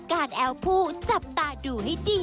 อ๋อน่าจะได้